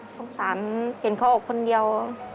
สงสารเห็นเขาออกคนเดียว